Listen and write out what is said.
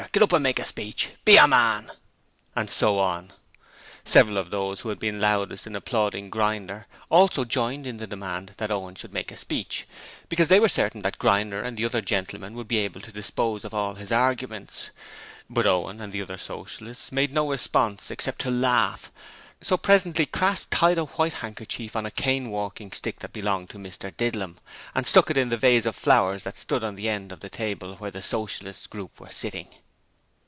Get up and make a speech!' 'Be a man!' and so on. Several of those who had been loudest in applauding Grinder also joined in the demand that Owen should make a speech, because they were certain that Grinder and the other gentlemen would be able to dispose of all his arguments; but Owen and the other Socialists made no response except to laugh, so presently Crass tied a white handkerchief on a cane walking stick that belonged to Mr Didlum, and stuck it in the vase of flowers that stood on the end of the table where the Socialist group were sitting.